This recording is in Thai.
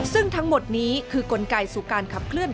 ซึ่งทั้งหมดนี้คือกลไกสู่การขับเคลื